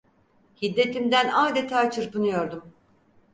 Hiddetimden adeta çırpınıyordum.